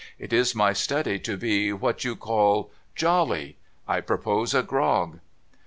It is my study to be, what you call, jolly. I i)ropose a grog.'